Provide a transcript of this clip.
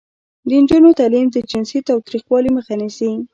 د نجونو تعلیم د جنسي تاوتریخوالي مخه نیسي.